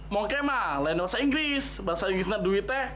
monke itu bahasa inggris bahasa inggris itu duit